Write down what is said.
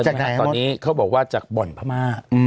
จากไหนครับผมเขาบอกว่าจากบ่อนพม่า